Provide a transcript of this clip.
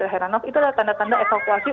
di herano itu adalah tanda tanda evakuasi